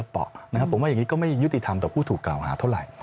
ผมว่าอย่างนี้ก็ไม่ยุติธรรมต่อผู้ถูกกล่าวหาเท่าไหร่